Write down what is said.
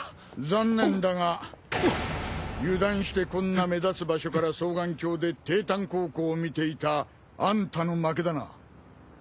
残念だが油断してこんな目立つ場所から双眼鏡で帝丹高校を見ていたあんたの負けだな。